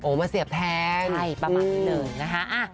โอ้มาเสียบแทนใช่ประมาณนึงนะฮะ